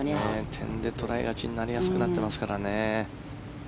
点で捉えがちになりやすくなってますからね。